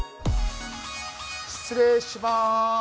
失礼します。